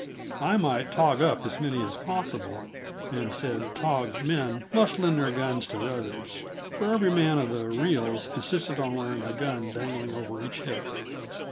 I might "tog up" as many as possible, and said "togged" men must lend their guns to the others; for every man of the "reals" insisted on wearing a gun dangling over each hip.